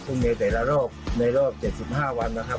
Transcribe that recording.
ทุ่มเงินแต่ละรอบในรอบ๗๕วันนะครับ